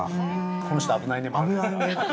◆この人危ないねも。